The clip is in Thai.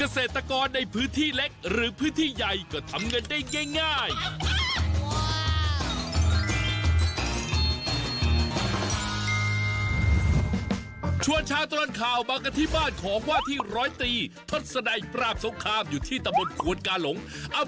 สวัสดีครับ